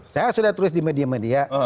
saya sudah tulis di media media